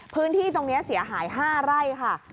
พื้นที่ตรงนี้เสียหาย๕ไร่ค่ะ